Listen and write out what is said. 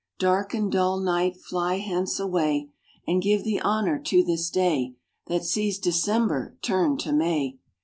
Dark and dull night, fly hence away, And give the honour to this day, That sees December turned to May.